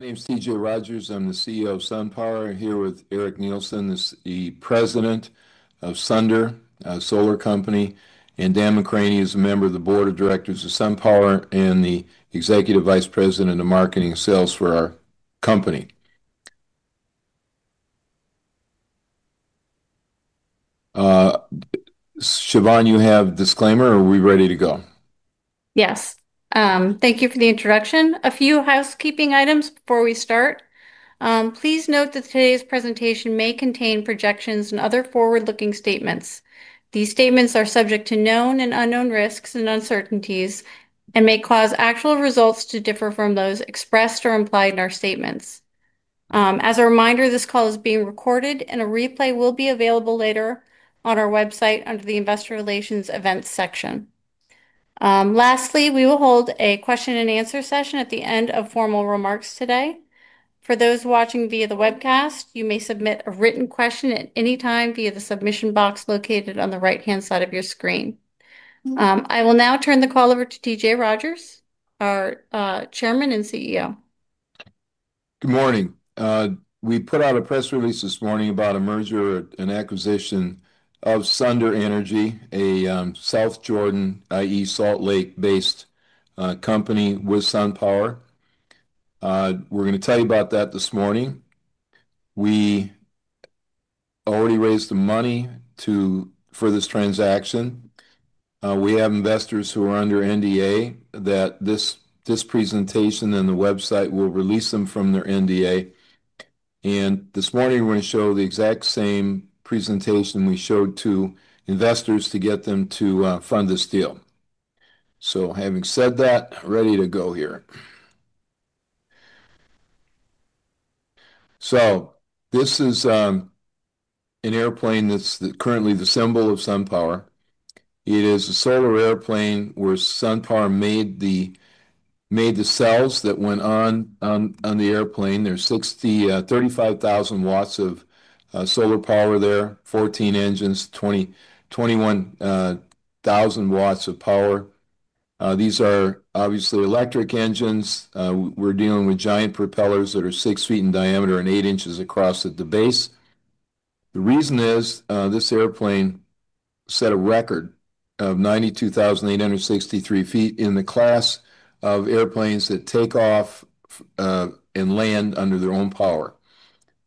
My name is T.J. Rodgers. I'm the CEO of SunPower. I'm here with Eric Nielsen, the President of Sunder, a solar company. Dan McCraney is a member of the Board of Directors of SunPower and the Executive Vice President of Marketing and Sales for our company. Siobhan, you have a disclaimer, or are we ready to go? Yes. Thank you for the introduction. A few housekeeping items before we start. Please note that today's presentation may contain projections and other forward-looking statements. These statements are subject to known and unknown risks and uncertainties and may cause actual results to differ from those expressed or implied in our statements. As a reminder, this call is being recorded, and a replay will be available later on our website under the Investor Relations Events section. Lastly, we will hold a question and answer session at the end of formal remarks today. For those watching via the webcast, you may submit a written question at any time via the submission box located on the right-hand side of your screen. I will now turn the call over to T.J. Rodgers, our Chairman and CEO. Good morning. We put out a press release this morning about a merger and acquisition of Sunder Energy, a South Jordan, i.e., Salt Lake-based company with SunPower. We're going to tell you about that this morning. We already raised the money for this transaction. We have investors who are under NDA that this presentation and the website will release them from their NDA. This morning, we're going to show the exact same presentation we showed to investors to get them to fund this deal. Having said that, ready to go here. This is an airplane that's currently the symbol of SunPower. It is a solar airplane where SunPower made the cells that went on the airplane. There's 35,000 watts of solar power there, 14 engines, 21,000 watts of power. These are obviously electric engines. We're dealing with giant propellers that are six feet in diameter and eight inches across at the base. The reason is this airplane set a record of 92,863 feet in the class of airplanes that take off and land under their own power.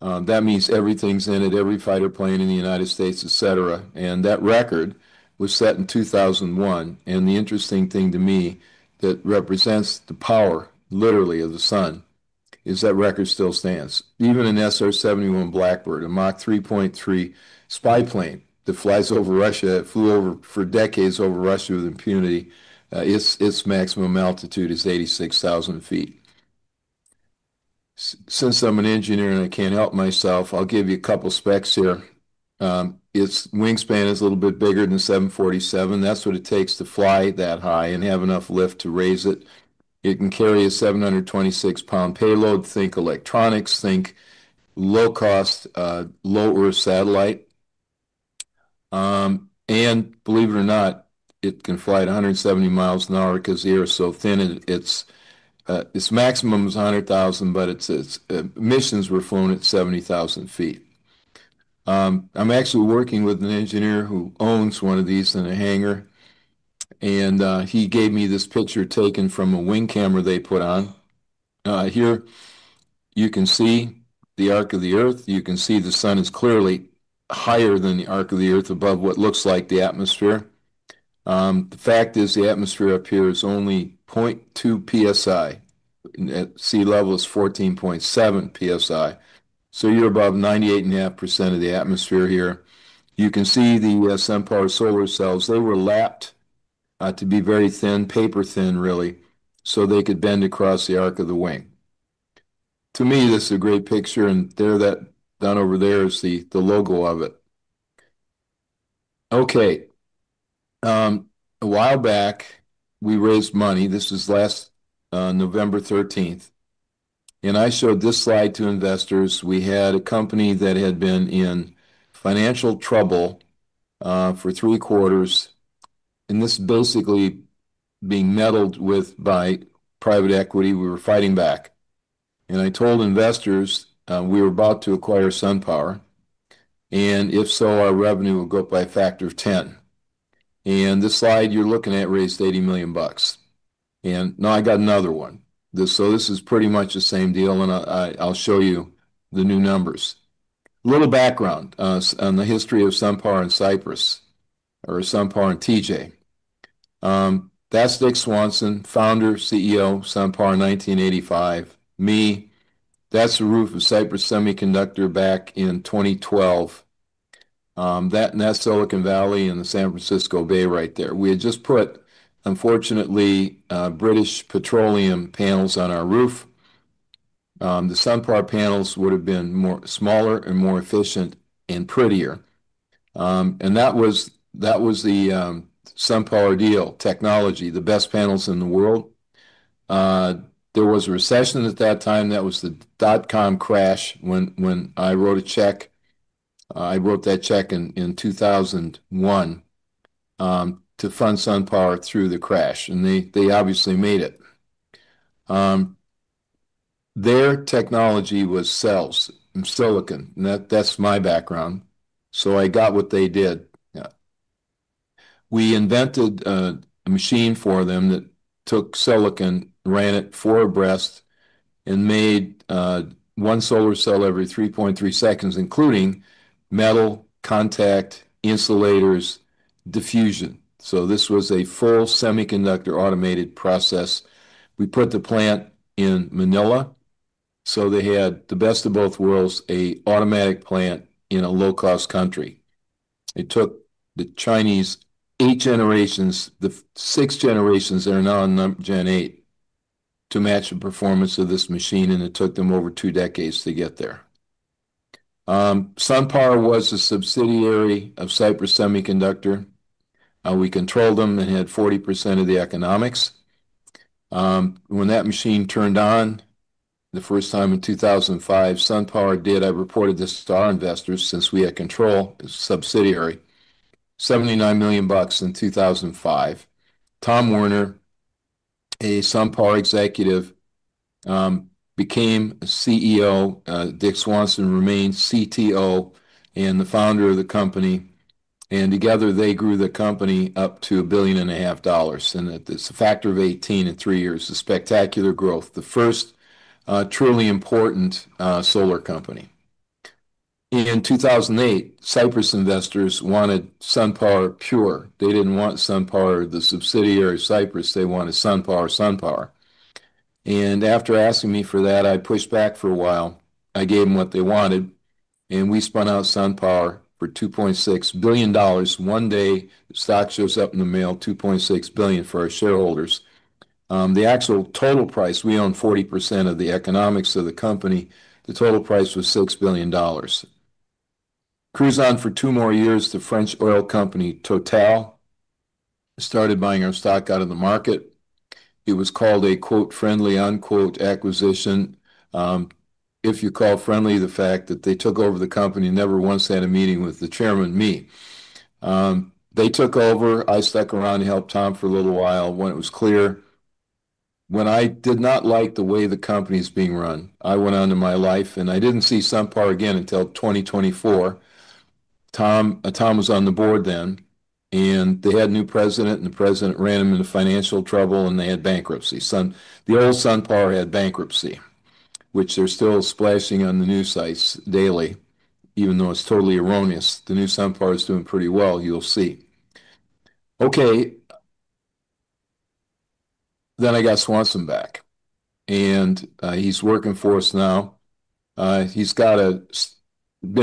That means everything's in it, every fighter plane in the United States, etc. That record was set in 2001. The interesting thing to me that represents the power, literally, of the Sun is that record still stands. Even an SR-71 Blackbird, a Mach 3.3 spy plane that flies over Russia, it flew for decades over Russia with impunity. Its maximum altitude is 86,000 feet. Since I'm an engineer and I can't help myself, I'll give you a couple of specs here. Its wingspan is a little bit bigger than 747. That's what it takes to fly that high and have enough lift to raise it. It can carry a 726-pound payload, think electronics, think low-cost, low-earth satellite. Believe it or not, it can fly at 170 miles an hour because the air is so thin. Its maximum is 100,000, but its emissions were flown at 70,000 feet. I'm actually working with an engineer who owns one of these in a hangar, and he gave me this picture taken from a wing camera they put on. Here, you can see the arc of the Earth. You can see the Sun is clearly higher than the arc of the Earth above what looks like the atmosphere. The fact is the atmosphere up here is only 0.2 psi. At sea level, it's 14.7 psi. You're above 98.5% of the atmosphere here. You can see the SunPower solar cells. They were lapped to be very thin, paper thin, really, so they could bend across the arc of the wing. To me, that's a great picture. There, that done over there is the logo of it. Okay. A while back, we raised money. This was last November 13. I showed this slide to investors. We had a company that had been in financial trouble for three quarters. This basically being meddled with by private equity, we were fighting back. I told investors we were about to acquire SunPower. If so, our revenue will go up by a factor of 10. This slide you're looking at raised $80 million. Now I got another one. This is pretty much the same deal. I'll show you the new numbers. A little background on the history of SunPower in Cyprus, or SunPower and T.J. That's Dick Swanson, founder, CEO, SunPower in 1985. Me, that's the roof of Cyprus Semiconductor back in 2012. That's Silicon Valley and the San Francisco Bay right there. We had just put, unfortunately, British Petroleum panels on our roof. The SunPower panels would have been smaller and more efficient and prettier. That was the SunPower deal, technology, the best panels in the world. There was a recession at that time. That was the dot-com crash when I wrote a check. I wrote that check in 2001 to fund SunPower through the crash. They obviously made it. Their technology was cells and silicon. That's my background. I got what they did. We invented a machine for them that took silicon, ran it for a breast, and made one solar cell every 3.3 seconds, including metal contact insulators, diffusion. This was a full semiconductor automated process. We put the plant in Manila. They had the best of both worlds, an automatic plant in a low-cost country. It took the Chinese eight generations, the six generations, they're now in Gen 8, to match the performance of this machine. It took them over two decades to get there. SunPower was a subsidiary of Cyprus Semiconductor. We controlled them and had 40% of the economics. When that machine turned on the first time in 2005, SunPower did, I reported this to our investors since we had control, subsidiary, $79 million in 2005. Tom Werner, a SunPower executive, became CEO. Dick Swanson remains CTO and the founder of the company. Together, they grew the company up to $1.5 billion. It's a factor of 18 in three years, a spectacular growth. The first truly important solar company. In 2008, Cyprus investors wanted SunPower pure. They didn't want SunPower the subsidiary of Cyprus. They wanted SunPower, SunPower. After asking me for that, I pushed back for a while. I gave them what they wanted. We spun out SunPower for $2.6 billion. One day, the stock shows up in the mail, $2.6 billion for our shareholders. The actual total price, we own 40% of the economics of the company, the total price was $6 billion. It grew on for two more years. The French oil company, Total, started buying our stock out of the market. It was called a "friendly" acquisition. If you call friendly the fact that they took over the company, never once had a meeting with the Chairman, me. They took over. I stuck around and helped Tom for a little while when it was clear. When I did not like the way the company is being run, I went on to my life. I didn't see SunPower again until 2024. Tom was on the board then. They had a new President, and the President ran them into financial trouble, and they had bankruptcy. The old SunPower had bankruptcy, which they're still splashing on the news sites daily, even though it's totally erroneous. The new SunPower is doing pretty well, you'll see. Okay. I got Swanson back. He's working for us now. He's been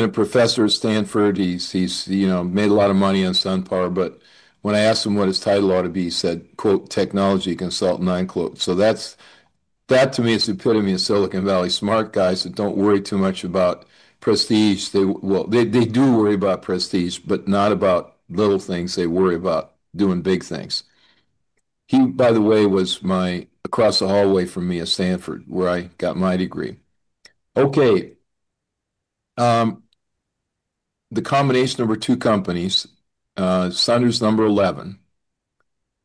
a professor at Stanford. He's made a lot of money on SunPower. When I asked him what his title ought to be, he said, "Technology Consultant." That to me is the epitome of Silicon Valley smart guys that don't worry too much about prestige. They do worry about prestige, but not about little things. They worry about doing big things. He, by the way, was across the hallway from me at Stanford, where I got my degree. The combination of our two companies, Sunder's number 11.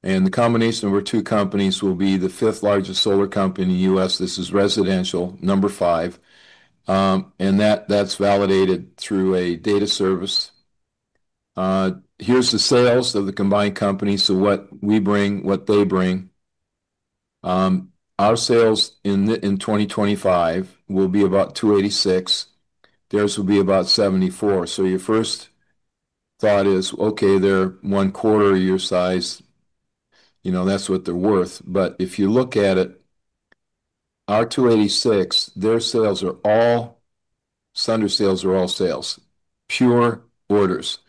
The combination of our two companies will be the fifth largest solar company in the U.S. This is residential, number five. That's validated through a data service. Here are the sales of the combined company, so what we bring, what they bring. Our sales in 2025 will be about $286 million. Theirs will be about $74 million. Your first thought is, okay, they're one quarter of your size. You know, that's what they're worth. If you look at it, our $286 million, their sales are all, Sunder's sales are all sales, pure orders,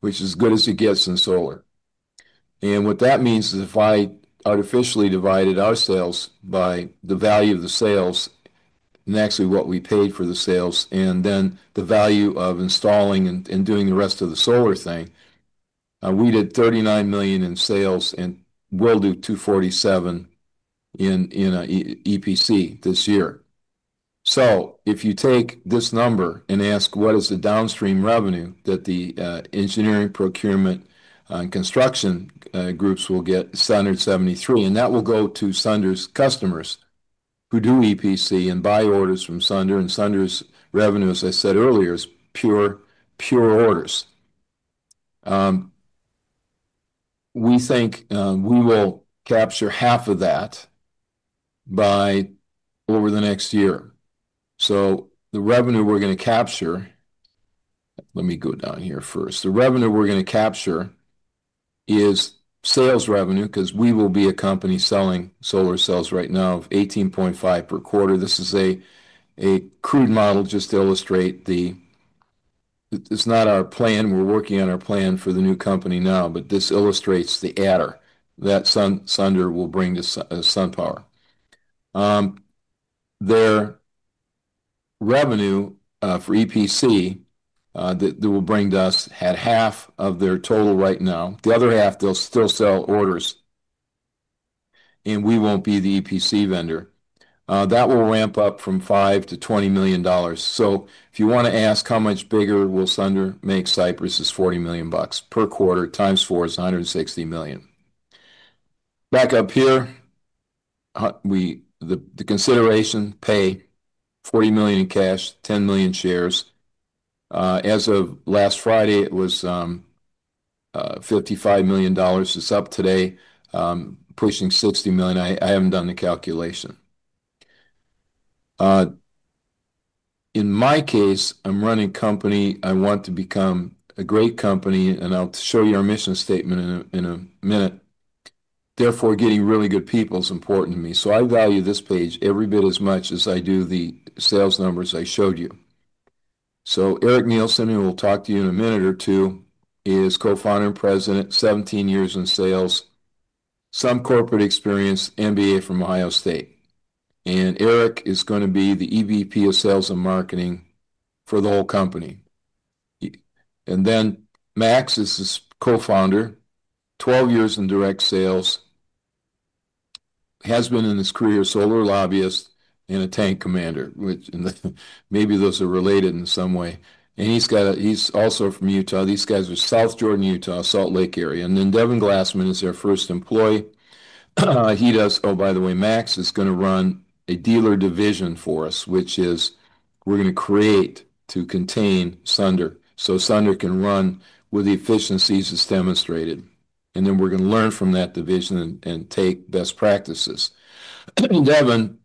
which is as good as it gets in solar. What that means is if I artificially divided our sales by the value of the sales and actually what we paid for the sales, and then the value of installing and doing the rest of the solar thing, we did $39 million in sales and will do $247 million in EPC this year. If you take this number and ask, what is the downstream revenue that the engineering, procurement, and construction groups will get? It's $173. That will go to Sunder's customers who do EPC and buy orders from Sunder. Sunder's revenue, as I said earlier, is pure orders. We think we will capture half of that over the next year. The revenue we're going to capture, let me go down here first. The revenue we're going to capture is sales revenue because we will be a company selling solar cells right now of $18.5 million per quarter. This is a crude model just to illustrate, it's not our plan. We're working on our plan for the new company now, but this illustrates the adder that Sunder will bring to Complete Solaria. Their revenue for EPC that they will bring to us at half of their total right now. The other half, they'll still sell orders, and we won't be the EPC vendor. That will ramp up from $5 million to $20 million. If you want to ask how much bigger will Sunder make Complete Solaria, it's $40 million per quarter. Times four is $160 million. Back up here, the consideration pay $40 million in cash, $10 million shares. As of last Friday, it was $55 million. It's up today, pushing $60 million. I haven't done the calculation. In my case, I'm running a company. I want to become a great company. I'll show you our mission statement in a minute. Therefore, getting really good people is important to me. I value this page every bit as much as I do the sales numbers I showed you. Eric Nielsen, who will talk to you in a minute or two, is co-founder and president, 17 years in sales, some corporate experience, MBA from Ohio State. Eric is going to be the Executive Vice President of Sales and Marketing for the whole company. Max is his co-founder, 12 years in direct sales, has been in his career, solar lobbyist, and a tank commander, which maybe those are related in some way. He's also from Utah. These guys are South Jordan, Utah, Salt Lake area. Devin Glassman is their first employee. He does, oh, by the way, Max is going to run a Dealer Division for us, which we're going to create to contain Sunder so Sunder can run with the efficiencies as demonstrated. We're going to learn from that division and take best practices. Devin,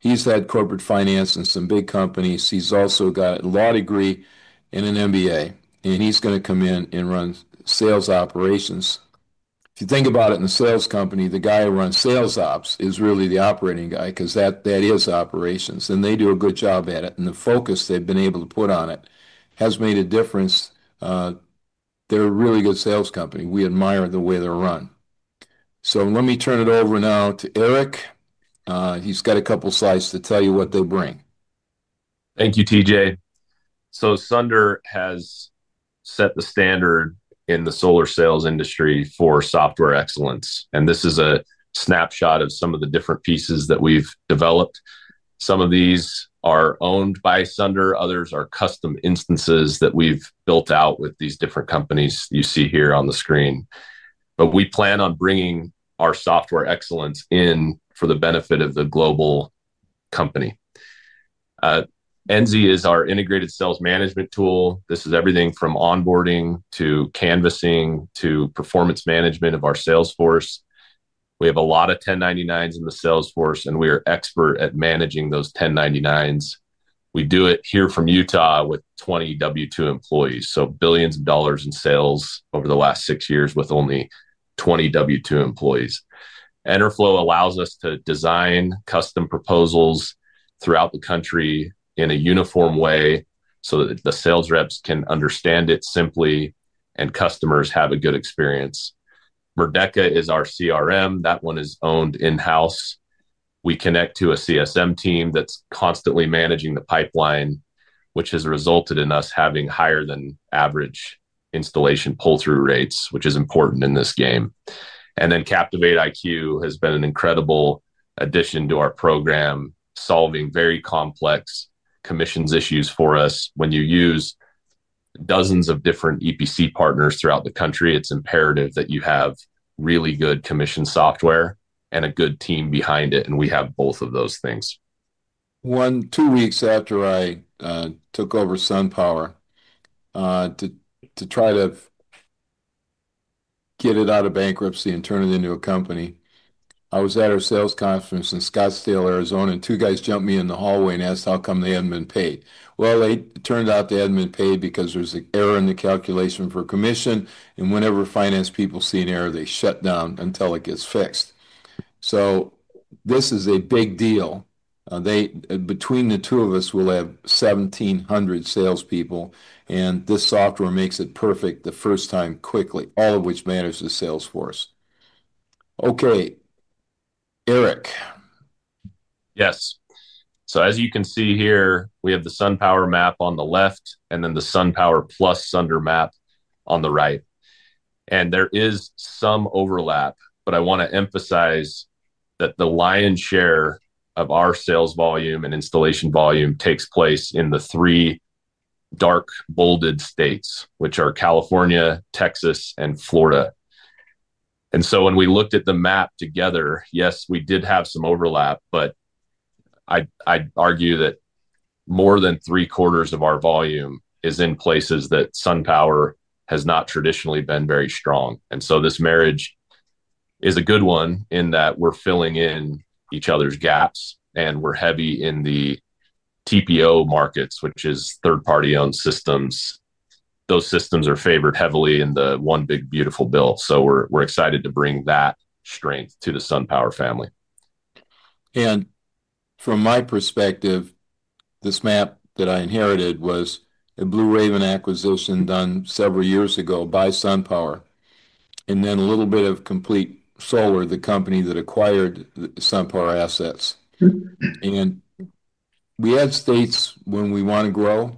he's had corporate finance in some big companies. He's also got a law degree and an MBA. He's going to come in and run sales operations. If you think about it in a sales company, the guy who runs sales ops is really the operating guy because that is operations. They do a good job at it, and the focus they've been able to put on it has made a difference. They're a really good sales company. We admire the way they're run. Let me turn it over now to Eric. He's got a couple of slides to tell you what they'll bring. Thank you, T.J. So, Sunder has set the standard in the solar sales industry for software excellence. This is a snapshot of some of the different pieces that we've developed. Some of these are owned by Sunder. Others are custom instances that we've built out with these different companies you see here on the screen. We plan on bringing our software excellence in for the benefit of the global company. ENZY is our integrated sales management tool. This is everything from onboarding to canvassing to performance management of our sales force. We have a lot of 1099s in the sales force, and we are expert at managing those 1099s. We do it here from Utah with 20 W-2 employees. Billions of dollars in sales over the last six years with only 20 W-2 employees. Enterflow allows us to design custom proposals throughout the country in a uniform way so that the sales reps can understand it simply and customers have a good experience. Merdeka is our CRM. That one is owned in-house. We connect to a CSM team that's constantly managing the pipeline, which has resulted in us having higher than average installation pull-through rates, which is important in this game. CaptivateIQ has been an incredible addition to our program, solving very complex commissions issues for us. When you use dozens of different EPC partners throughout the country, it's imperative that you have really good commission software and a good team behind it. We have both of those things. Two weeks after I took over SunPower to try to get it out of bankruptcy and turn it into a company, I was at our sales conference in Scottsdale, Arizona, and two guys jumped me in the hallway and asked how come they hadn't been paid. It turned out they hadn't been paid because there was an error in the calculation for commission. Whenever finance people see an error, they shut down until it gets fixed. This is a big deal. Between the two of us, we'll have 1,700 salespeople. This software makes it perfect the first time quickly, all of which manages the sales force. Okay. Eric. Yes. As you can see here, we have the SunPower map on the left and then the SunPower plus Sunder map on the right. There is some overlap, but I want to emphasize that the lion's share of our sales volume and installation volume takes place in the three dark bolded states, which are California, Texas, and Florida. When we looked at the map together, yes, we did have some overlap, but I'd argue that more than 75% of our volume is in places that SunPower has not traditionally been very strong. This marriage is a good one in that we're filling in each other's gaps. We're heavy in the TPO markets, which is third-party owned systems. Those systems are favored heavily in the one big beautiful bill. We're excited to bring that strength to the SunPower family. From my perspective, this map that I inherited was a Blue Raven division acquisition done several years ago by SunPower and then a little bit of Complete Solaria, the company that acquired SunPower assets. We add states when we want to grow.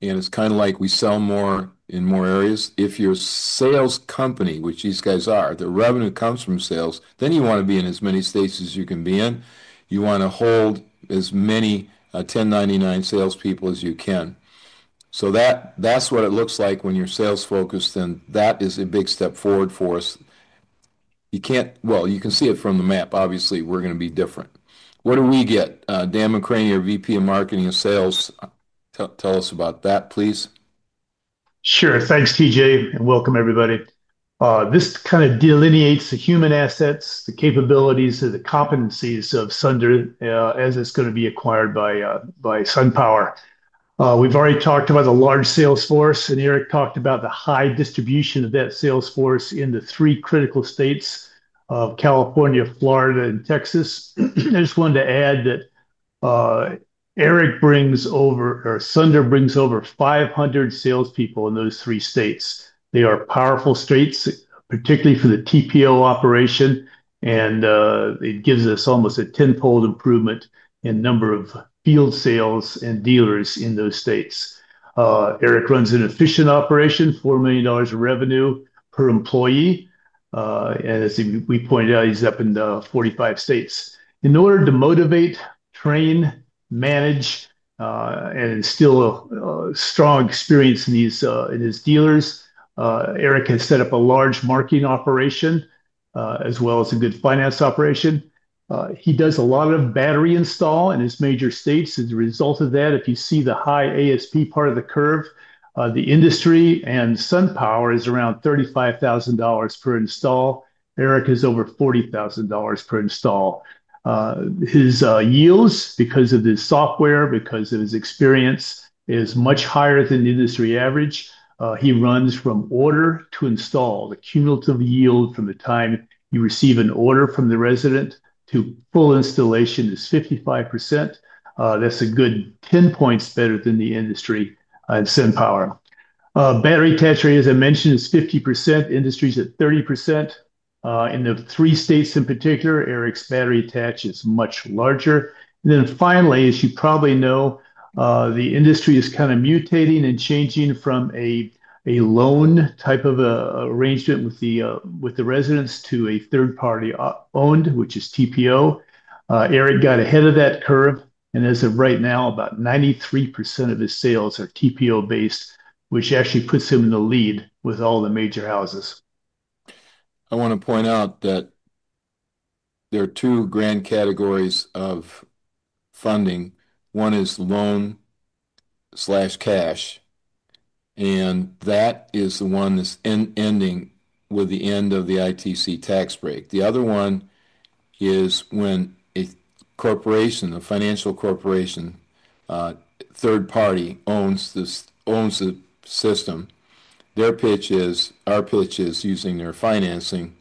It's kind of like we sell more in more areas. If you're a sales company, which these guys are, the revenue comes from sales, then you want to be in as many states as you can be in. You want to hold as many 1099 salespeople as you can. That's what it looks like when you're sales-focused. That is a big step forward for us. You can see it from the map. Obviously, we're going to be different. What do we get? Dan McCraney, Vice President of Marketing and Sales, tell us about that, please. Sure. Thanks, T.J., and welcome, everybody. This kind of delineates the human assets, the capabilities, and the competencies of Sunder as it's going to be acquired by SunPower. We've already talked about the large sales force. Eric talked about the high distribution of that sales force in the three critical states of California, Florida, and Texas. I just wanted to add that Eric brings over, or Sunder brings over 500 salespeople in those three states. They are powerful states, particularly for the TPO operation. It gives us almost a tenfold improvement in the number of field sales and dealers in those states. Eric runs an efficient operation, $4 million of revenue per employee. As we pointed out, he's up in 45 states. In order to motivate, train, manage, and instill a strong experience in his dealers, Eric has set up a large marketing operation as well as a good finance operation. He does a lot of battery install in his major states. As a result of that, if you see the high ASP part of the curve, the industry and SunPower is around $35,000 per install. Eric is over $40,000 per install. His yields, because of his software, because of his experience, is much higher than the industry average. He runs from order to install. The cumulative yield from the time you receive an order from the resident to full installation is 55%. That's a good 10 points better than the industry in SunPower. Battery attach rate, as I mentioned, is 50%. Industry is at 30%. In the three states in particular, Eric's battery attach is much larger. Finally, as you probably know, the industry is kind of mutating and changing from a loan type of arrangement with the residents to a third-party owned, which is TPO. Eric got ahead of that curve. As of right now, about 93% of his sales are TPO-based, which actually puts him in the lead with all the major houses. I want to point out that there are two grand categories of funding. One is loan/cash, and that is the one that's ending with the end of the ITC tax break. The other one is when a corporation, a financial corporation, third party owns the system. Their pitch is, our pitch is using their financing.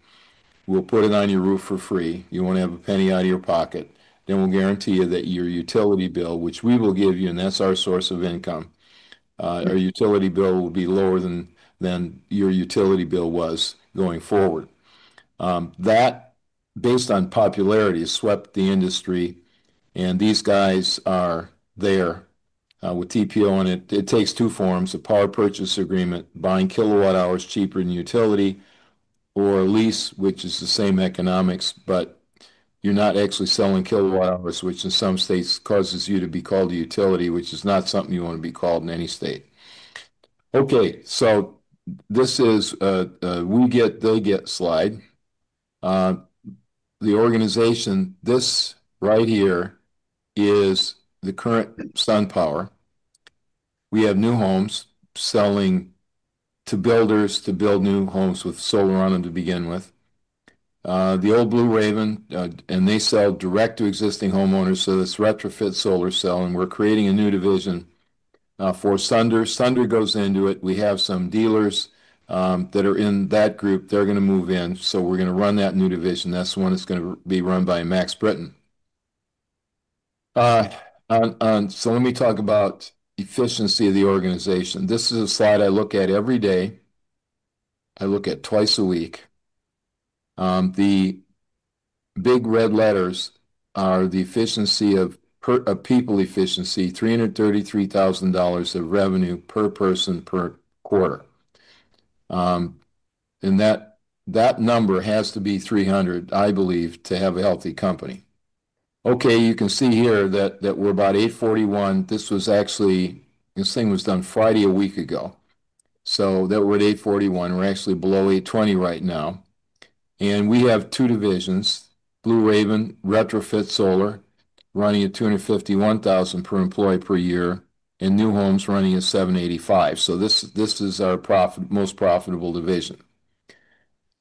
We'll put it on your roof for free. You won't have a penny out of your pocket. We'll guarantee you that your utility bill, which we will give you, and that's our source of income, our utility bill will be lower than your utility bill was going forward. That, based on popularity, swept the industry. These guys are there with TPO on it. It takes two forms: a power purchase agreement, buying kilowatt hours cheaper than utility, or lease, which is the same economics, but you're not actually selling kilowatt hours, which in some states causes you to be called a utility, which is not something you want to be called in any state. This is a we get, they get slide. The organization, this right here is the current SunPower. We have new homes selling to builders to build new homes with solar on them to begin with. The old Blue Raven, and they sell direct to existing homeowners. This retrofit solar cell, and we're creating a new division for Sunder. Sunder goes into it. We have some dealers that are in that group. They're going to move in. We're going to run that new division. That's the one that's going to be run by Max Britton. Let me talk about the efficiency of the organization. This is a slide I look at every day. I look at it twice a week. The big red letters are the efficiency of people, efficiency, $333,000 of revenue per person per quarter. That number has to be 300, I believe, to have a healthy company. You can see here that we're about 841. This was actually, this thing was done Friday a week ago. We're at 841. We're actually below 820 right now. We have two divisions, Blue Raven, retrofit solar, running at $251,000 per employee per year, and new homes running at $785,000. This is our most profitable division.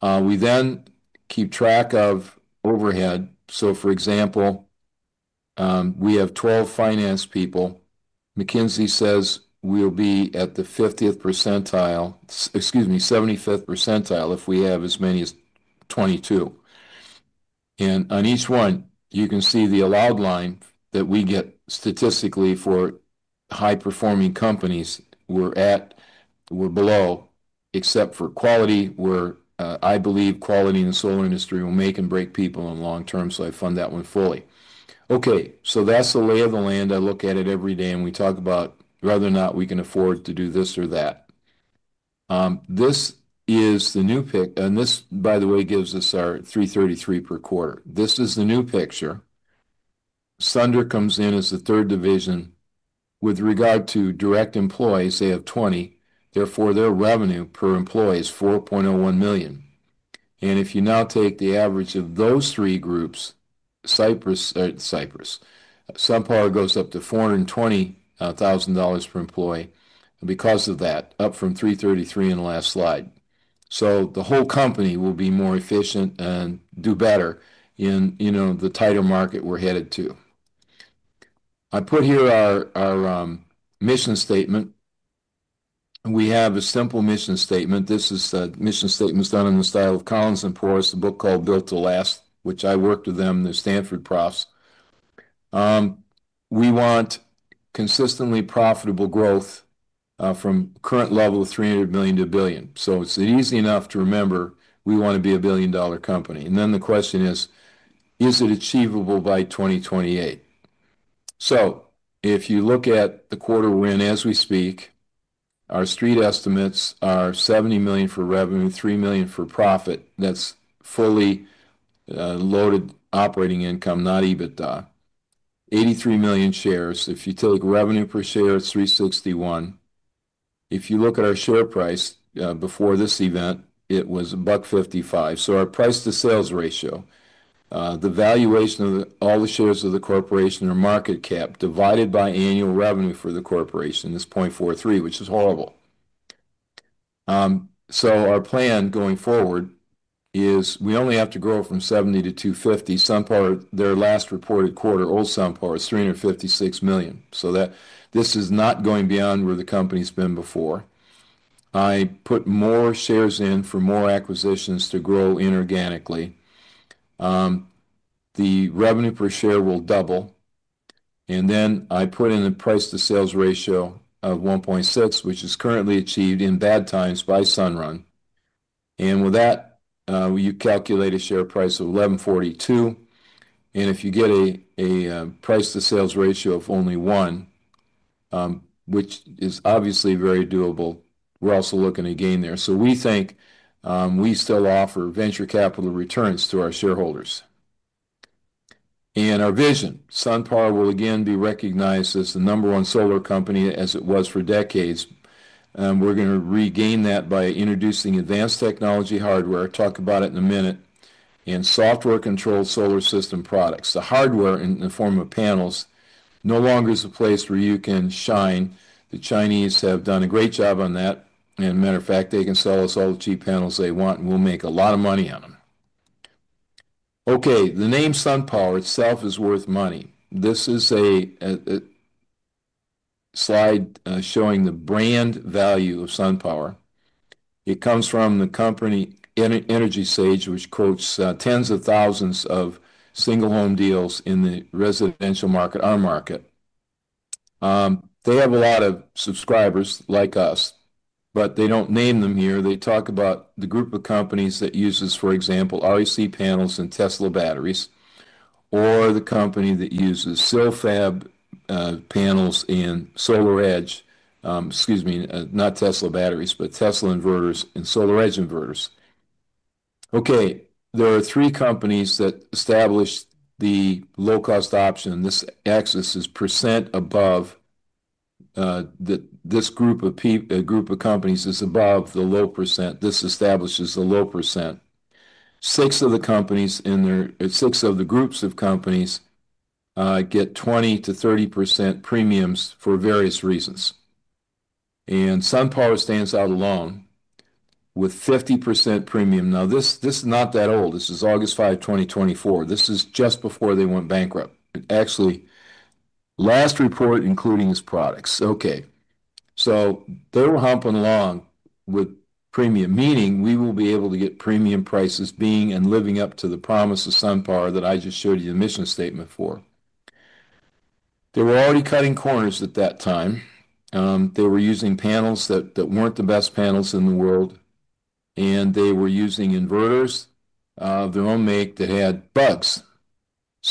We then keep track of overhead. For example, we have 12 finance people. McKinsey says we'll be at the 75% percentile if we have as many as 22. On each one, you can see the allowed line that we get statistically for high-performing companies. We're below, except for quality, where I believe quality in the solar industry will make and break people in the long term. I fund that one fully. Okay. That's the lay of the land. I look at it every day. We talk about whether or not we can afford to do this or that. This is the new pick. This, by the way, gives us our $333 per quarter. This is the new picture. Sunder comes in as the third division. With regard to direct employees, they have 20. Therefore, their revenue per employee is $4.01 million. If you now take the average of those three groups, Complete Solaria goes up to $420,000 per employee because of that, up from $333 in the last slide. The whole company will be more efficient and do better in the title market we're headed to. I put here our mission statement. We have a simple mission statement. This is a mission statement done in the style of Collins and Porras, a book called Built to Last, which I worked with them, the Stanford profs. We want consistently profitable growth from current level of $300 million to $1 billion. It's easy enough to remember we want to be a billion-dollar company. The question is, is it achievable by 2028? If you look at the quarter we're in as we speak, our street estimates are $70 million for revenue, $3 million for profit. That's fully loaded operating income, not EBITDA. $83 million shares. If you take revenue per share, it's $361. If you look at our share price before this event, it was $1.55. Our price-to-sales ratio, the valuation of all the shares of the corporation or market cap divided by annual revenue for the corporation, is $0.43, which is horrible. Our plan going forward is we only have to grow from $70 to $250. SunPower, their last reported quarter, old SunPower is $356 million. This is not going beyond where the company's been before. I put more shares in for more acquisitions to grow inorganically. The revenue per share will double. I put in a price-to-sales ratio of $1.6, which is currently achieved in bad times by SunRun. With that, you calculate a share price of $11.42. If you get a price-to-sales ratio of only $1, which is obviously very doable, we're also looking to gain there. We think we still offer venture capital returns to our shareholders. Our vision, Complete Solaria will again be recognized as the number one solar company as it was for decades. We're going to regain that by introducing advanced technology hardware. I'll talk about it in a minute. Software-controlled solar system products. The hardware in the form of panels no longer is a place where you can shine. The Chinese have done a great job on that. As a matter of fact, they can sell us all the cheap panels they want, and we'll make a lot of money on them. The name SunPower itself is worth money. This is a slide showing the brand value of SunPower. It comes from the company Energy Sage, which quotes tens of thousands of single-home deals in the residential market, our market. They have a lot of subscribers like us, but they don't name them here. They talk about the group of companies that uses, for example, REC panels and Tesla batteries, or the company that uses SILFab panels and SolarEdge, excuse me, not Tesla batteries, but Tesla inverters and SolarEdge inverters. There are three companies that establish the low-cost option. This axis is % above. This group of companies is above the low %. This establishes the low %. Six of the companies in there, six of the groups of companies get 20% to 30% premiums for various reasons. SunPower stands out alone with 50% premium. This is not that old. This is August 5, 2024. This is just before they went bankrupt. Actually, last report, including its products. They were humping along with premium, meaning we will be able to get premium prices. Being and living up to the promise of SunPower that I just showed you the mission statement for. They were already cutting corners at that time. They were using panels that weren't the best panels in the world. They were using inverters of their own make that had bugs.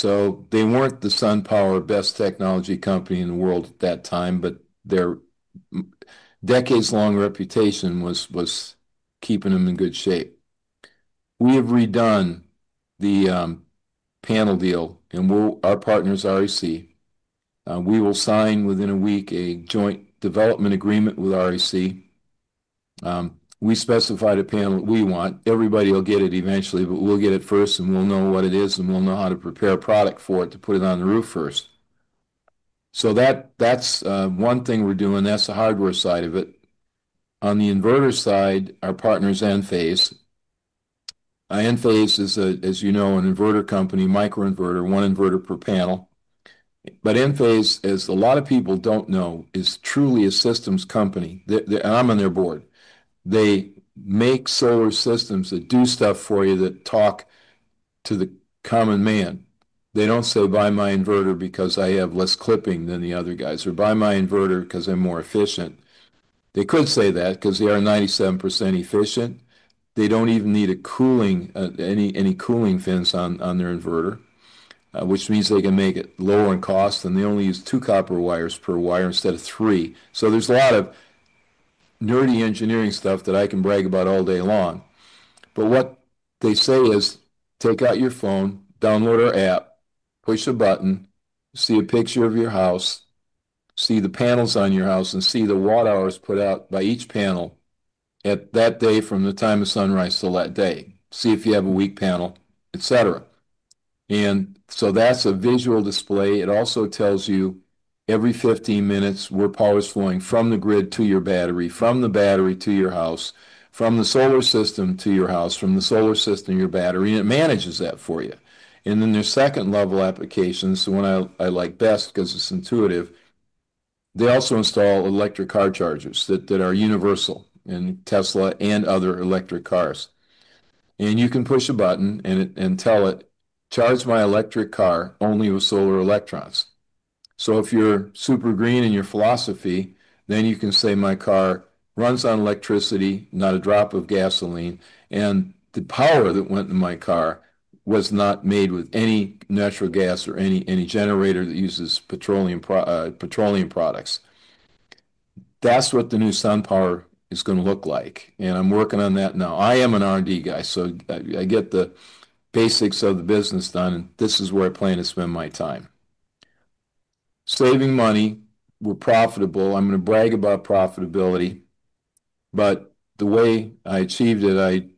They weren't the SunPower best technology company in the world at that time, but their decades-long reputation was keeping them in good shape. We have redone the panel deal, and our partners, REC. We will sign within a week a joint development agreement with REC. We specified a panel we want. Everybody will get it eventually, but we'll get it first, and we'll know what it is, and we'll know how to prepare a product for it to put it on the roof first. That's one thing we're doing. That's the hardware side of it. On the inverter side, our partners Enphase. Enphase is, as you know, an inverter company, micro inverter, one inverter per panel. Enphase, as a lot of people don't know, is truly a systems company. I'm on their board. They make solar systems that do stuff for you that talk to the common man. They don't say, "Buy my inverter because I have less clipping than the other guys," or, "Buy my inverter because I'm more efficient." They could say that because they are 97% efficient. They don't even need any cooling fence on their inverter, which means they can make it lower in cost. They only use two copper wires per wire instead of three. There is a lot of nerdy engineering stuff that I can brag about all day long. What they say is, take out your phone, download our app, push a button, see a picture of your house, see the panels on your house, and see the watt hours put out by each panel that day from the time of sunrise till that day. See if you have a weak panel, etc. That is a visual display. It also tells you every 15 minutes where power is flowing from the grid to your battery, from the battery to your house, from the solar system to your house, from the solar system to your battery. It manages that for you. There are second-level applications, the one I like best because it's intuitive. They also install electric car chargers that are universal in Tesla and other electric cars. You can push a button and tell it, "Charge my electric car only with solar electrons." If you're super green in your philosophy, you can say, "My car runs on electricity, not a drop of gasoline. The power that went in my car was not made with any natural gas or any generator that uses petroleum products." That is what the new SunPower is going to look like. I am working on that now. I am an R&D guy, so I get the basics of the business done. This is where I plan to spend my time. Saving money. We're profitable. I'm going to brag about profitability. The way I achieved it,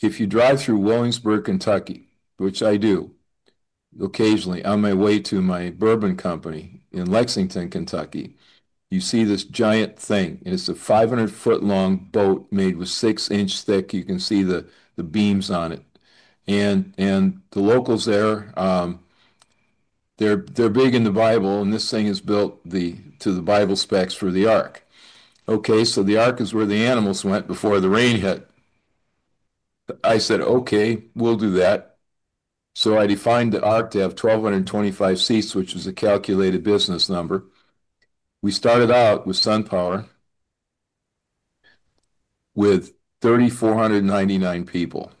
if you drive through Willingsburg, Kentucky, which I do occasionally, on my way to my bourbon company in Lexington, Kentucky, you see this giant thing. It is a 500-foot long boat made with six-inch thick. You can see the beams on it. The locals there, they're big in the Bible. This thing is built to the Bible specs for the ark. The ark is where the animals went before the rain hit. I said, "Okay, we'll do that." I defined the ark to have 1,225 seats, which is a calculated business number. We started out with SunPower with 3,499 people.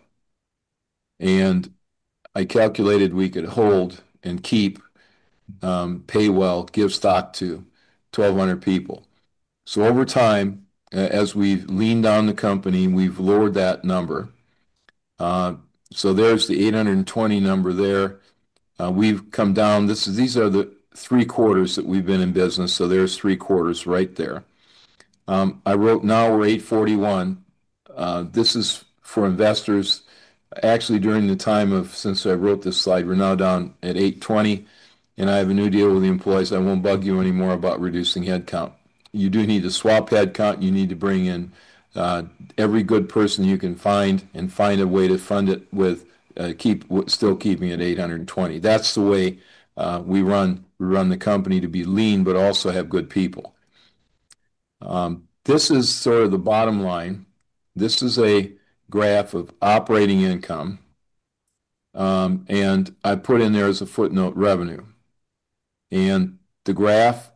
I calculated we could hold and keep, pay well, give stock to 1,200 people. Over time, as we've leaned down the company, we've lowered that number. There's the 820 number there. We've come down. These are the three quarters that we've been in business. There's three quarters right there. I wrote, "Now we're 841." This is for investors. Actually, during the time since I wrote this slide, we're now down at 820. I have a new deal with the employees. I won't bug you anymore about reducing headcount. You do need to swap headcount. You need to bring in every good person you can find and find a way to fund it while still keeping it 820. That's the way we run the company to be lean, but also have good people. This is sort of the bottom line. This is a graph of operating income. I put in there as a footnote revenue. The graph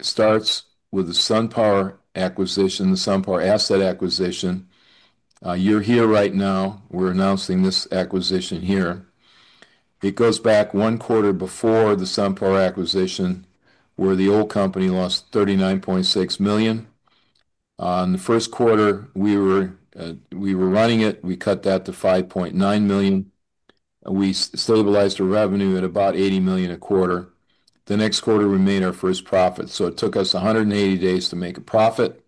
starts with the SunPower asset acquisition. You're here right now. We're announcing this acquisition here. It goes back one quarter before the SunPower acquisition where the old company lost $39.6 million. In the first quarter we were running it, we cut that to $5.9 million. We stabilized our revenue at about $80 million a quarter. The next quarter remained our first profit. It took us 180 days to make a profit.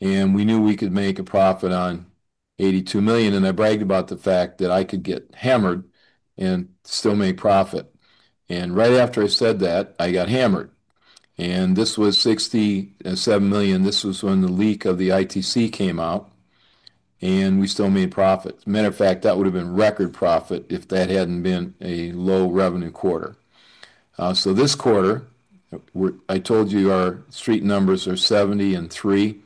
We knew we could make a profit on $82 million. I bragged about the fact that I could get hammered and still make profit. Right after I said that, I got hammered. This was $67 million. This was when the leak of the ITC came out. We still made profit. As a matter of fact, that would have been record profit if that hadn't been a low revenue quarter. This quarter, I told you our street numbers are 70 and 3.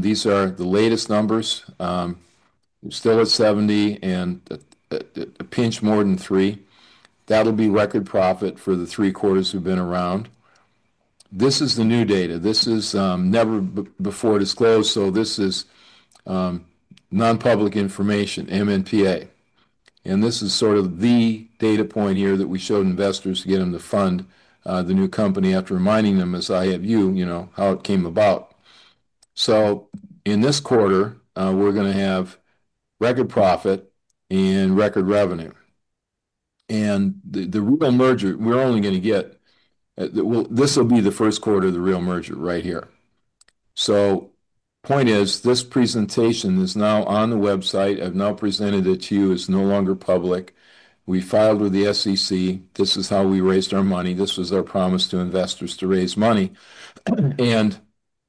These are the latest numbers. We're still at 70 and a pinch more than 3. That'll be record profit for the three quarters we've been around. This is the new data. This is never before disclosed. This is non-public information, MNPA. This is sort of the data point here that we showed investors to get them to fund the new company after reminding them, as I have you, you know how it came about. In this quarter, we're going to have record profit and record revenue. The real merger, we're only going to get, this will be the first quarter of the real merger right here. The point is this presentation is now on the website. I've now presented it to you. It's no longer public. We filed with the SEC. This is how we raised our money. This was our promise to investors to raise money.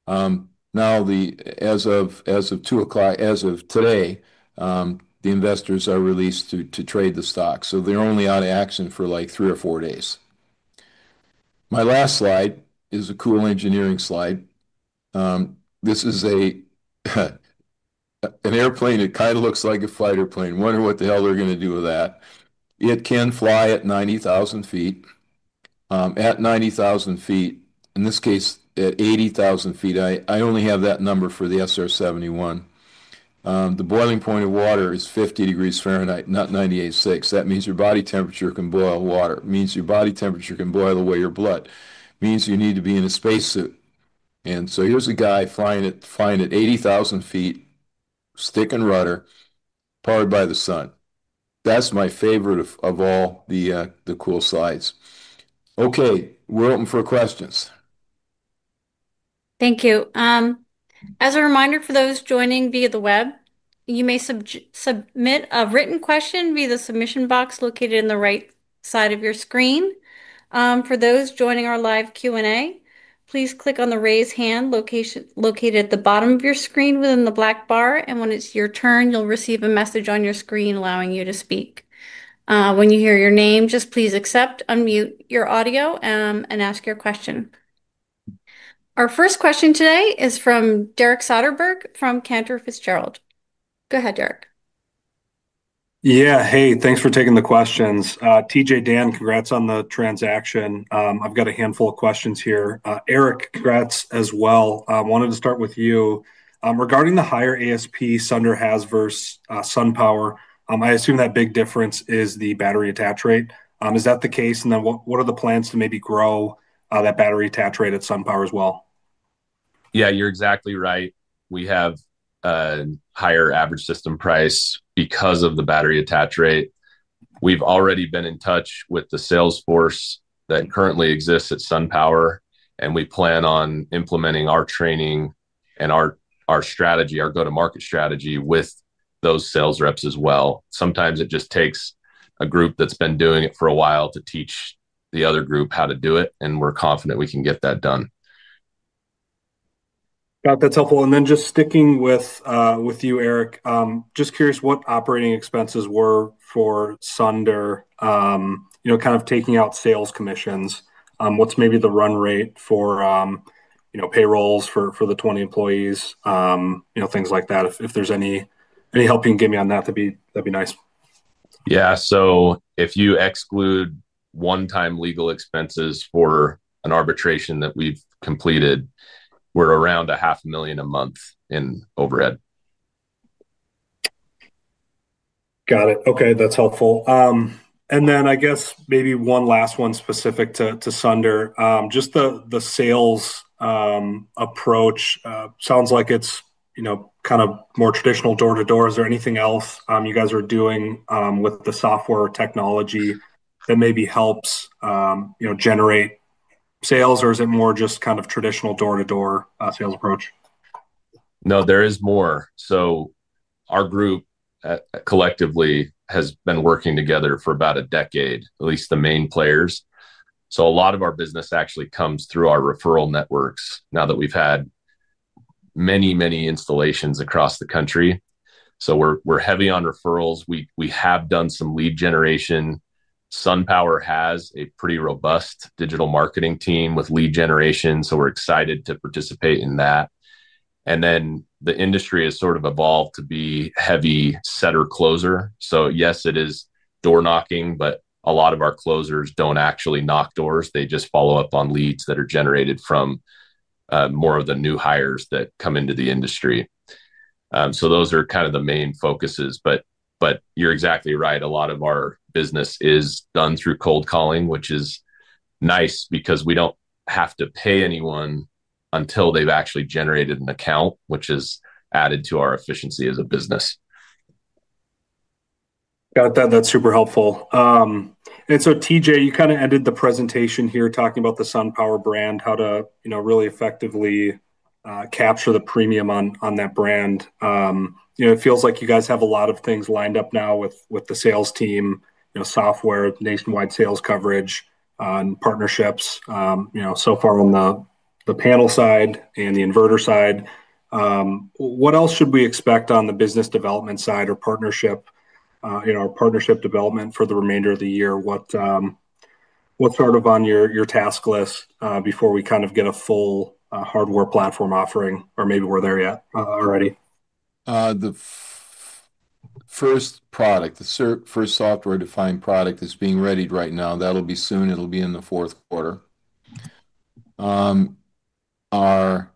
Now, as of 2:00 P.M., as of today, the investors are released to trade the stock. They're only out of action for like three or four days. My last slide is a cool engineering slide. This is an airplane. It kind of looks like a fighter plane. I wonder what the hell they're going to do with that. It can fly at 90,000 feet. At 90,000 feet, in this case, at 80,000 feet, I only have that number for the SR-71. The boiling point of water is 50 degrees Fahrenheit, not 98.6. That means your body temperature can boil water. It means your body temperature can boil away your blood. It means you need to be in a spacesuit. Here's a guy flying at 80,000 feet, stick and rudder, powered by the sun. That's my favorite of all the cool slides. Okay. We're open for questions. Thank you. As a reminder for those joining via the web, you may submit a written question via the submission box located on the right side of your screen. For those joining our live Q&A, please click on the raise hand location at the bottom of your screen within the black bar. When it's your turn, you'll receive a message on your screen allowing you to speak. When you hear your name, please accept, unmute your audio, and ask your question. Our first question today is from Derek Soderbergh from Cantor Fitzgerald. Go ahead, Derek. Yeah. Hey, thanks for taking the questions. T.J., Dan, congrats on the transaction. I've got a handful of questions here. Eric, congrats as well. I wanted to start with you. Regarding the higher ASP Sunder has versus SunPower, I assume that big difference is the battery attach rate. Is that the case? What are the plans to maybe grow that battery attach rate at SunPower as well? Yeah, you're exactly right. We have a higher average system price because of the battery attach rate. We've already been in touch with the sales force that currently exists at SunPower, and we plan on implementing our training and our strategy, our go-to-market strategy with those sales reps as well. Sometimes it just takes a group that's been doing it for a while to teach the other group how to do it. We're confident we can get that done. That's helpful. Just sticking with you, Eric, just curious what operating expenses were for Sunder, kind of taking out sales commissions. What's maybe the run rate for payrolls for the 20 employees, things like that? If there's any help you can give me on that, that'd be nice. Yeah. If you exclude one-time legal expenses for an arbitration that we've completed, we're around $0.5 million a month in overhead. Got it. Okay. That's helpful. I guess maybe one last one specific to Sunder. Just the sales approach sounds like it's kind of more traditional door-to-door. Is there anything else you guys are doing with the software technology that maybe helps generate sales, or is it more just kind of traditional door-to-door sales approach? There is more. Our group collectively has been working together for about a decade, at least the main players. A lot of our business actually comes through our referral networks now that we've had many, many installations across the country. We're heavy on referrals. We have done some lead generation. SunPower has a pretty robust digital marketing team with lead generation. We're excited to participate in that. The industry has sort of evolved to be heavy setter closer. Yes, it is door knocking, but a lot of our closers don't actually knock doors. They just follow up on leads that are generated from more of the new hires that come into the industry. Those are kind of the main focuses. You're exactly right. A lot of our business is done through cold calling, which is nice because we don't have to pay anyone until they've actually generated an account, which has added to our efficiency as a business. Got that. That's super helpful. TJ, you kind of ended the presentation here talking about the SunPower brand, how to really effectively capture the premium on that brand. It feels like you guys have a lot of things lined up now with the sales team, software, nationwide sales coverage, and partnerships. So far on the panel side and the inverter side, what else should we expect on the business development side or partnership development for the remainder of the year? What's sort of on your task list before we kind of get a full hardware platform offering? Or maybe we're there yet? The first product, the first software-defined product is being readied right now. That'll be soon. It'll be in the fourth quarter. Our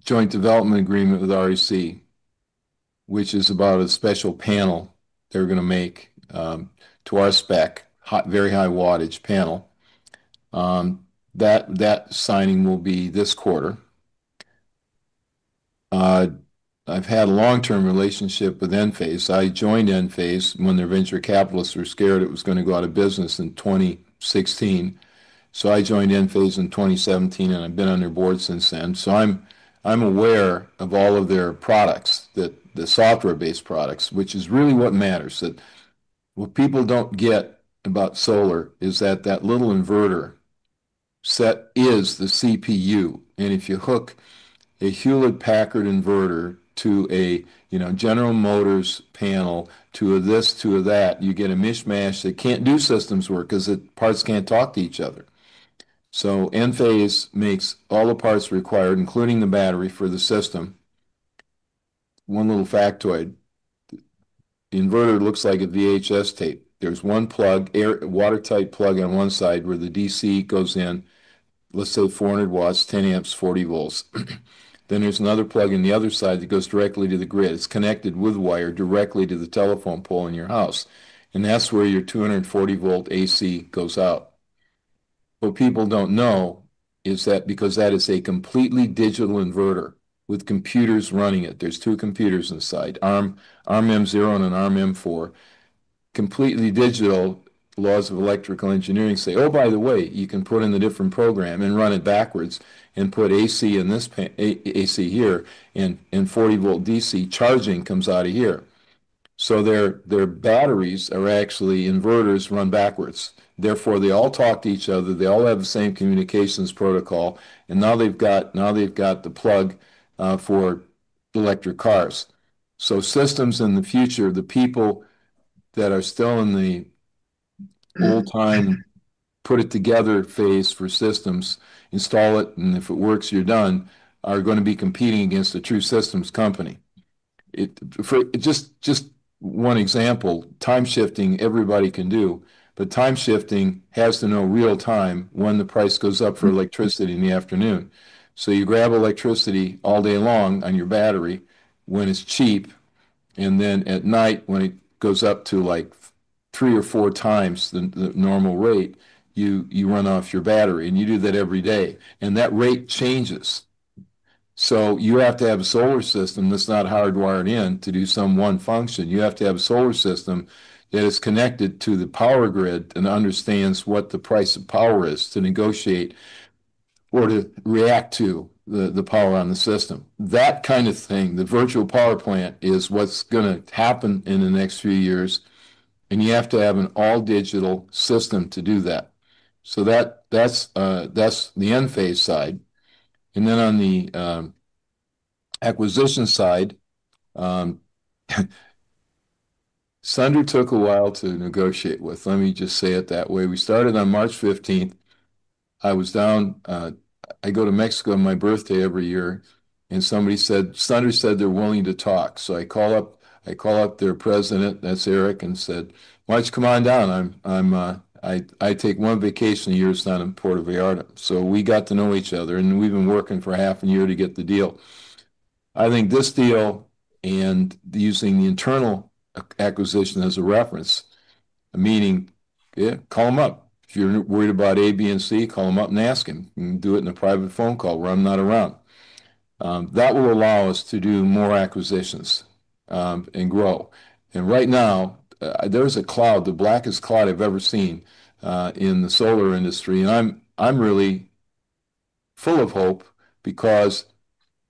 joint development agreement with REC, which is about a special panel they're going to make to our spec, very high wattage panel. That signing will be this quarter. I've had a long-term relationship with Enphase. I joined Enphase when their venture capitalists were scared it was going to go out of business in 2016. I joined Enphase in 2017, and I've been on their board since then. I'm aware of all of their products, the software-based products, which is really what matters. What people don't get about solar is that that little inverter set is the CPU. If you hook a Hewlett-Packard inverter to a General Motors panel, to a this, to a that, you get a mishmash. They can't do systems work because the parts can't talk to each other. Enphase makes all the parts required, including the battery for the system. One little factoid, the inverter looks like a VHS tape. There's one plug, a watertight plug on one side where the DC goes in, let's say 400 watts, 10 amps, 40 volts. There's another plug on the other side that goes directly to the grid. It's connected with wire directly to the telephone pole in your house. That's where your 240-volt AC goes out. What people don't know is that because that is a completely digital inverter with computers running it. There's two computers inside, ARM M0 and an ARM M4. Completely digital, laws of electrical engineering say, "Oh, by the way, you can put in a different program and run it backwards and put AC in this AC here and 40-volt DC charging comes out of here." Their batteries are actually inverters run backwards. Therefore, they all talk to each other. They all have the same communications protocol. Now they've got the plug for electric cars. Systems in the future, the people that are still in the old-time put-it-together phase for systems, install it, and if it works, you're done, are going to be competing against the true systems company. Just one example, time-shifting, everybody can do. Time-shifting has to know real time when the price goes up for electricity in the afternoon. You grab electricity all day long on your battery when it's cheap. At night, when it goes up to like three or four times the normal rate, you run off your battery. You do that every day. That rate changes. You have to have a solar system that's not hardwired in to do some one function. You have to have a solar system that is connected to the power grid and understands what the price of power is to negotiate or to react to the power on the system. That kind of thing, the virtual power plant is what's going to happen in the next few years. You have to have an all-digital system to do that. That's the Enphase side. On the acquisition side, Sunder took a while to negotiate with. Let me just say it that way. We started on March 15. I was down. I go to Mexico on my birthday every year. Somebody said, Sunder said they're willing to talk. I call up their president, that's Eric, and said, "March, come on down. I take one vacation a year down in Puerto Vallarta." We got to know each other. We've been working for half a year to get the deal. I think this deal and using the internal acquisition as a reference, meaning, yeah, call them up. If you're worried about A, B, and C, call them up and ask them. You can do it in a private phone call when I'm not around. That will allow us to do more acquisitions and grow. Right now, there's a cloud, the blackest cloud I've ever seen in the solar industry. I'm really full of hope because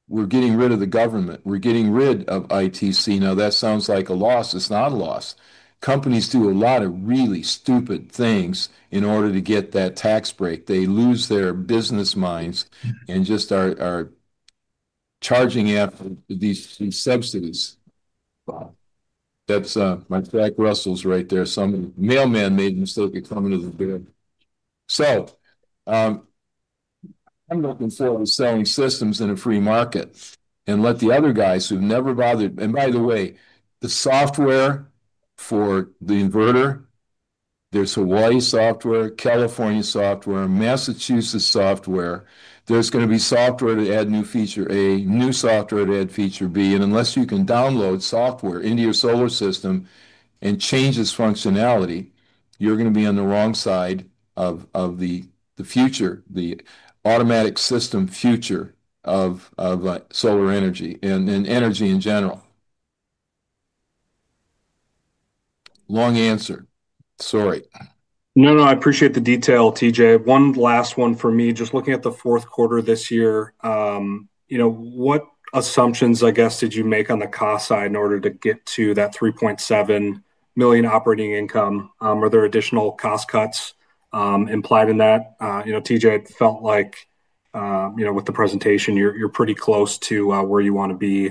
we're getting rid of the government. We're getting rid of ITC. Now, that sounds like a loss. It's not a loss. Companies do a lot of really stupid things in order to get that tax break. They lose their business minds and just are charging apples with these subsidies. That's my Jack Russell's right there. Some mailman made me soak it coming into the bed. I'm looking forward to selling systems in a free market and let the other guys who've never bothered. By the way, the software for the inverter, there's Hawaii software, California software, Massachusetts software. There's going to be software to add new feature A, new software to add feature B. Unless you can download software into your solar system and change its functionality, you're going to be on the wrong side of the future, the automatic system future of solar energy and energy in general. Long answer. Sorry. No, I appreciate the detail, T.J. One last one for me. Just looking at the fourth quarter this year, what assumptions, I guess, did you make on the cost side in order to get to that $3.7 million operating income? Are there additional cost cuts implied in that? T.J., I felt like with the presentation, you're pretty close to where you want to be.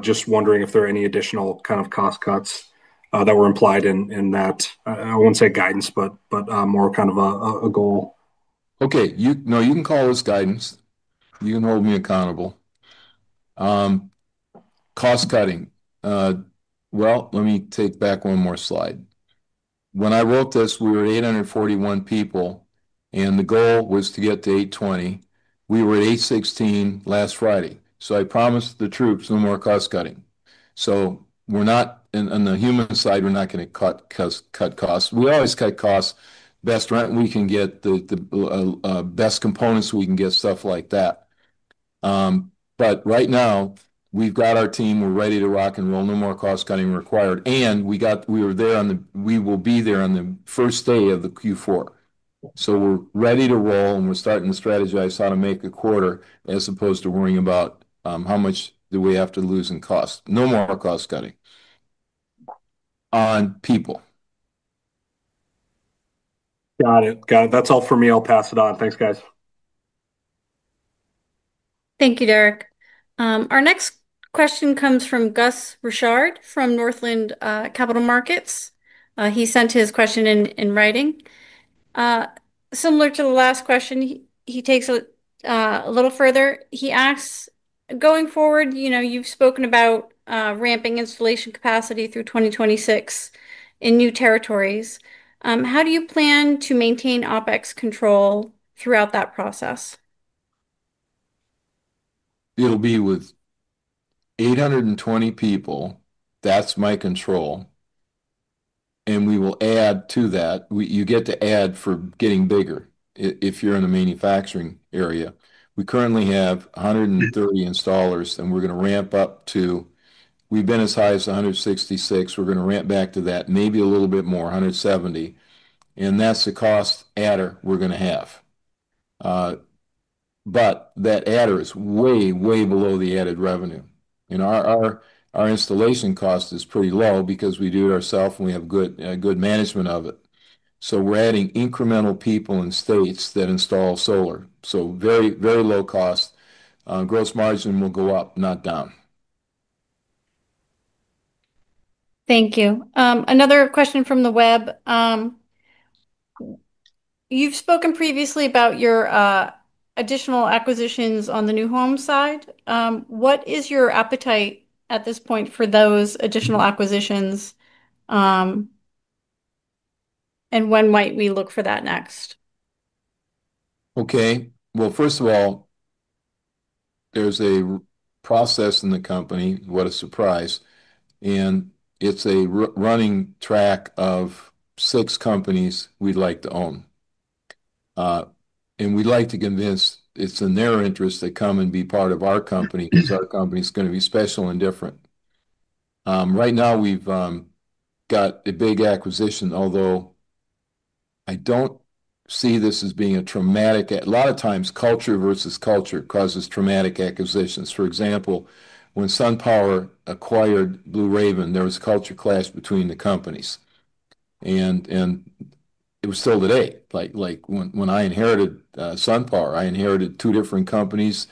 Just wondering if there are any additional kind of cost cuts that were implied in that. I won't say guidance, but more kind of a goal. Okay. No, you can call this guidance. You can hold me accountable. Cost cutting. Let me take back one more slide. When I wrote this, we were 841 people, and the goal was to get to 820. We were at 816 last Friday. I promised the troops no more cost cutting. On the human side, we're not going to cut costs. We always cut costs, best rent we can get, the best components we can get, stuff like that. Right now, we've got our team. We're ready to rock and roll. No more cost cutting required. We were there on the, we will be there on the first day of Q4. We're ready to roll and we're starting to strategize how to make a quarter as opposed to worrying about how much do we have to lose in cost. No more cost cutting on people. Got it. Got it. That's all for me. I'll pass it on. Thanks, guys. Thank you, Derek. Our next question comes from Gus Richard from Northland Capital Markets. He sent his question in writing. Similar to the last question, he takes it a little further. He asks, going forward, you know, you've spoken about ramping installation capacity through 2026 in new territories. How do you plan to maintain OpEx control throughout that process? It'll be with 820 people. That's my control, and we will add to that. You get to add for getting bigger if you're in a manufacturing area. We currently have 130 installers, and we're going to ramp up to, we've been as high as 166. We're going to ramp back to that, maybe a little bit more, 170. That's the cost adder we're going to have. That adder is way, way below the added revenue. Our installation cost is pretty low because we do it ourselves, and we have good management of it. We're adding incremental people in states that install solar, very, very low cost. Gross margin will go up, not down. Thank you. Another question from the web. You've spoken previously about your additional acquisitions on the new home side. What is your appetite at this point for those additional acquisitions? When might we look for that next? Okay. First of all, there's a process in the company, what a surprise. It's a running track of six companies we'd like to own. We'd like to convince it's in their interest to come and be part of our company because our company is going to be special and different. Right now, we've got a big acquisition, although I don't see this as being a traumatic acquisition. A lot of times, culture versus culture causes traumatic acquisitions. For example, when SunPower acquired Blue Raven division, there was culture clash between the companies. It was still today. Like when I inherited SunPower, I inherited two different companies,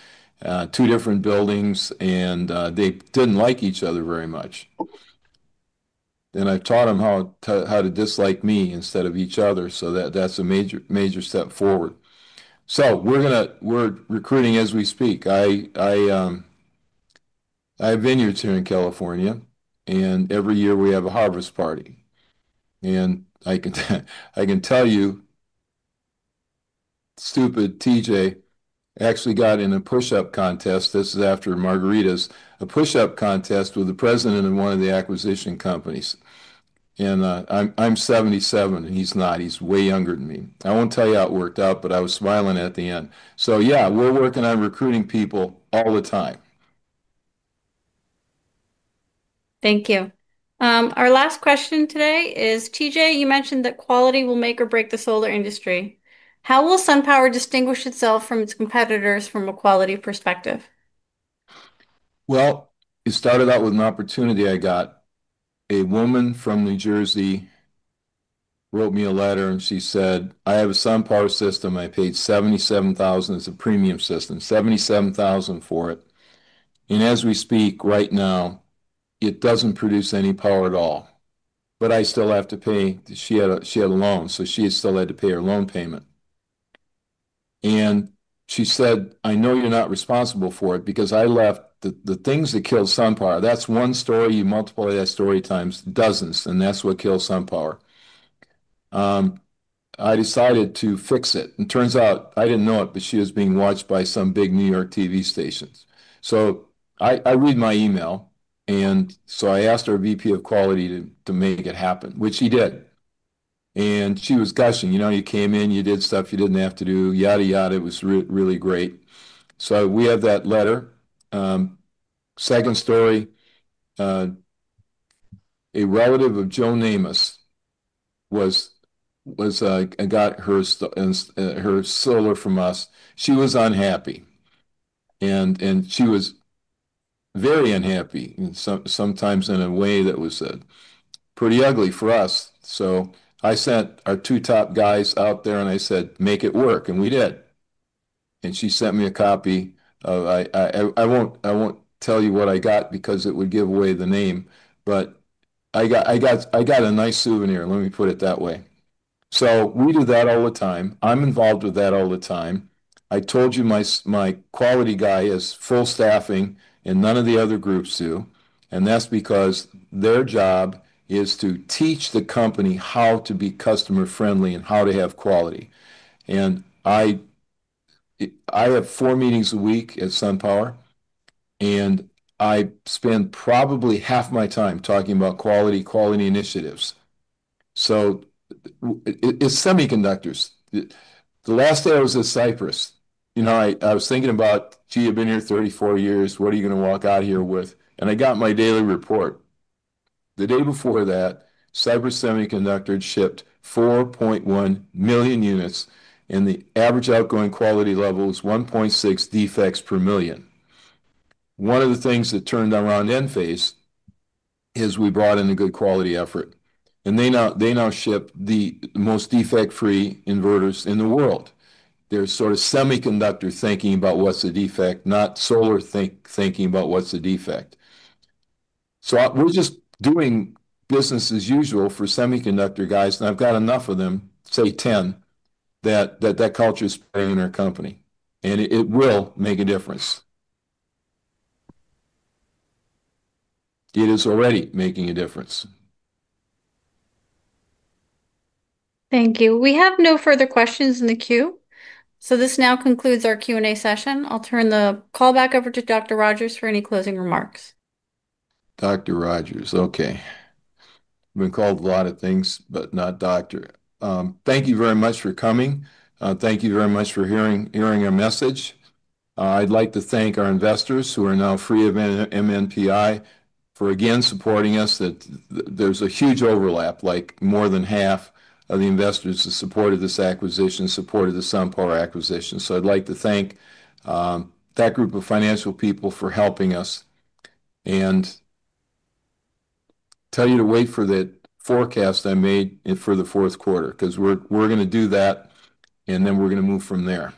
two different buildings, and they didn't like each other very much. I taught them how to dislike me instead of each other. That's a major, major step forward. We're recruiting as we speak. I have vineyards here in California, and every year we have a harvest party. I can tell you, stupid T.J. actually got in a push-up contest. This is after margaritas, a push-up contest with the President of one of the acquisition companies. I'm 77, and he's not. He's way younger than me. I won't tell you how it worked out, but I was smiling at the end. We're working on recruiting people all the time. Thank you. Our last question today is, T.J., you mentioned that quality will make or break the solar industry. How will SunPower distinguish itself from its competitors from a quality perspective? It started out with an opportunity I got. A woman from New Jersey wrote me a letter, and she said, "I have a SunPower system. I paid $77,000. It's a premium system. $77,000 for it." As we speak right now, it doesn't produce any power at all. I still have to pay. She had a loan, so she still had to pay her loan payment. She said, "I know you're not responsible for it because I left the things that killed SunPower." That's one story. You multiply that story times dozens, and that's what killed SunPower. I decided to fix it. It turns out, I didn't know it, but she was being watched by some big New York TV stations. I read my email. I asked our VP of Quality to make it happen, which she did. She was gushing, "You know, you came in, you did stuff you didn't have to do, yada yada. It was really great." We have that letter. Second story, a relative of Joe Namus got her solar from us. She was unhappy. She was very unhappy, and sometimes in a way that was pretty ugly for us. I sent our two top guys out there, and I said, "Make it work." We did. She sent me a copy of, I won't tell you what I got because it would give away the name, but I got a nice souvenir. Let me put it that way. We do that all the time. I'm involved with that all the time. I told you my Quality guy has full staffing and none of the other groups do. That's because their job is to teach the company how to be customer-friendly and how to have quality. I have four meetings a week at SunPower. I spend probably half my time talking about quality, quality initiatives. It's semiconductors. The last day I was at Cypress. I was thinking about, "Gee, you've been here 34 years. What are you going to walk out here with?" I got my daily report. The day before that, Cypress Semiconductor had shipped 4.1 million units, and the average outgoing quality level was 1.6 defects per million. One of the things that turned around Enphase is we brought in a good quality effort. They now ship the most defect-free inverters in the world. They're sort of semiconductor thinking about what's the defect, not solar thinking about what's the defect. We're just doing business as usual for semiconductor guys. I've got enough of them, say 10, that that culture is playing in our company. It will make a difference. It is already making a difference. Thank you. We have no further questions in the queue. This now concludes our Q&A session. I'll turn the call back over to Dr. Rodgers for any closing remarks. Okay. We've been called a lot of things, but not doctor. Thank you very much for coming. Thank you very much for hearing our message. I'd like to thank our investors who are now free of MNPI for again supporting us. There's a huge overlap, like more than half of the investors that supported this acquisition, supported the SunPower acquisition. I'd like to thank that group of financial people for helping us and tell you to wait for that forecast I made for the fourth quarter because we're going to do that, and then we're going to move from there.